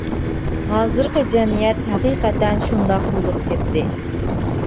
ھازىرقى جەمئىيەت ھەقىقەتەن شۇنداق بولۇپ كەتتى.